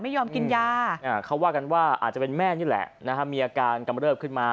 ไม่ยอมกินยาเขาว่ากันว่าอาจจะเป็นแม่นี่แหละมีอาการกำเริบขึ้นมา